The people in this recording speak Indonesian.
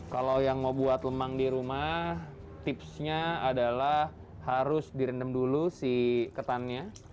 kalau yang mau buat lemang di rumah tipsnya adalah harus direndam dulu si ketannya